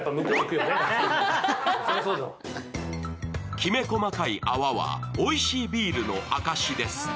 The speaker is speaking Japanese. きめ細かい泡はおいしいビールの証しです。